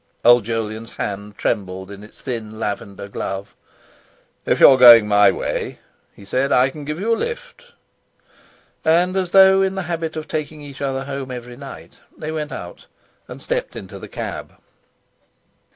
Old Jolyon's hand trembled in its thin lavender glove. "If you're going my way," he said, "I can give you a lift." And as though in the habit of taking each other home every night they went out and stepped into the cab.